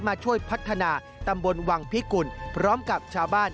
มาช่วยพัฒนาตำบลวังพิกุลพร้อมกับชาวบ้าน